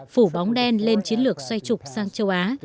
phủ bóng đen lên chiến lược xoay trục sang châu á